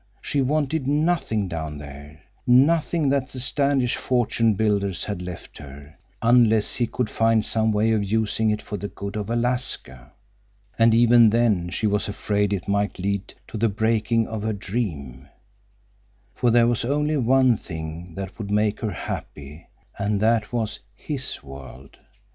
She wanted nothing down there, nothing that the Standish fortune builders had left her, unless he could find some way of using it for the good of Alaska. And even then she was afraid it might lead to the breaking of her dream. For there was only one thing that would make her happy, and that was his world.